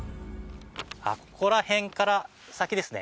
ここら辺から先ですね。